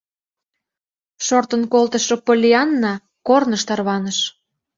Шортын колтышо Поллианна корныш тарваныш.